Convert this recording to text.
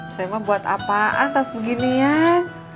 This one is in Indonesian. saya mau buat apaan tas beginian